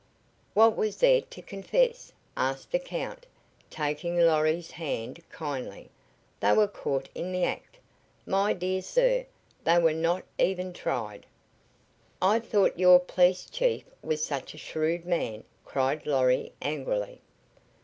"What was there to confess?" asked the Count, taking Lorry's hand kindly. "They were caught in the act. My dear sir, they were not even tried." "I thought your police chief was such a shrewd man," cried Lorry, angrily.